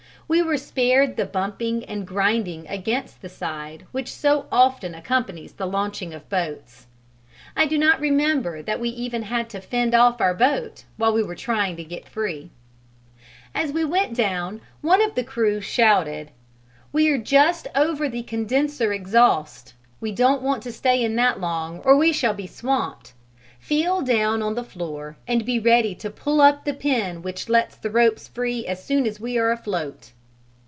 We were spared the bumping and grinding against the side which so often accompanies the launching of boats: I do not remember that we even had to fend off our boat while we were trying to get free. As we went down, one of the crew shouted, "We are just over the condenser exhaust: we don't want to stay in that long or we shall be swamped; feel down on the floor and be ready to pull up the pin which lets the ropes free as soon as we are afloat."